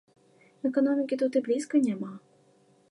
Эканомікі тут і блізка няма.